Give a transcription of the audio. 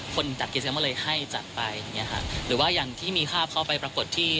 คนจัดกิจกรรมก็เลยให้จัดไปอย่างเงี้ค่ะหรือว่าอย่างที่มีภาพเข้าไปปรากฏที่